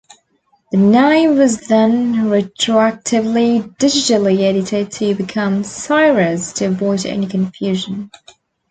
The name was then retroactively digitally edited to become "Cyrez" to avoid any confusion.